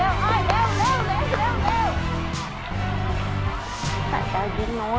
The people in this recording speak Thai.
เร็วเร็วเร็วเร็วเร็วเร็วเร็ว